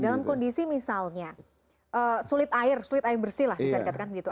dalam kondisi misalnya sulit air bersih lah bisa dikatakan gitu